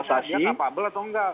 asilnya kapabel atau enggak